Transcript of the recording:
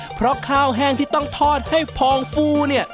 เพราะข้าวแห้งที่ต้องทอดให้พองฟูเนี่ย